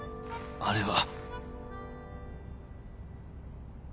あれは